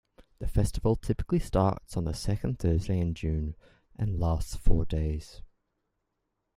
The festival typically starts on the second Thursday in June and lasts four days.